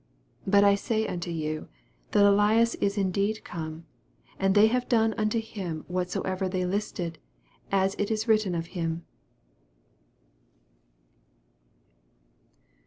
13 But I nay unto you, That Ellas is indeed come, and they have done unto him whatsoever they listed, as it is written Of him.